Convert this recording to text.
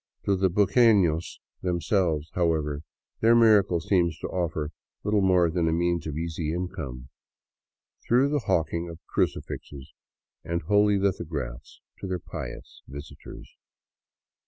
To the buguenos themselves, however, their " miracle " seems to offer little more than a means of easy income, through the hawking of crucifixes and holy lithographs to their pious visitors.